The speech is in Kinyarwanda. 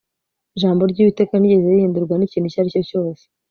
Jambo ryUwiteka ntiryigeze rihindurwa nikintu icyo ari cyo cyose